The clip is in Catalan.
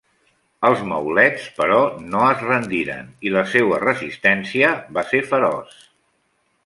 Els maulets, però, no es rendiren, i la seua resistència va ser feroç.